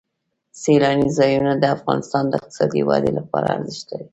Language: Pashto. سیلانی ځایونه د افغانستان د اقتصادي ودې لپاره ارزښت لري.